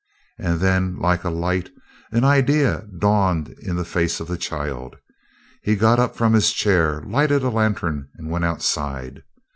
And then, like a light, an idea dawned in the face of the child. He got up from his chair, lighted a lantern, and went outside.